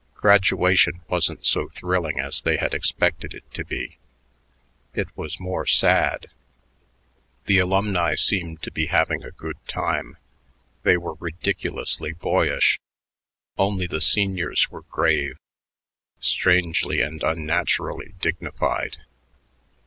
Graduation wasn't so thrilling as they had expected it to be; it was more sad. The alumni seemed to be having a good time; they were ridiculously boyish: only the seniors were grave, strangely and unnaturally dignified.